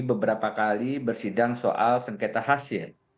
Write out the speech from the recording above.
beberapa kali bersidang soal sengketa hasil